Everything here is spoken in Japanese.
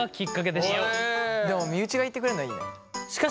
でも身内が言ってくれんのはいいね。